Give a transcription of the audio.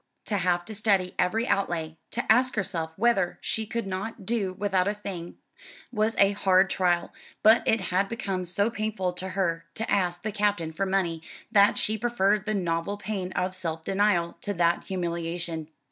To have to study every outlay, to ask herself whether she could not do without a thing, was a hard trial; but it had become so painful to her to ask the Captain for money that she preferred the novel pain of self denial to that humiliation.